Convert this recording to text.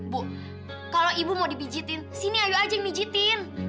bu kalau ibu mau dibijitin sini ayo aja yang mijitin